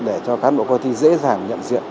để cho cán bộ coi thi dễ dàng nhận diện